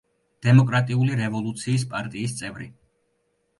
დემოკრატიული რევოლუციის პარტიის წევრი.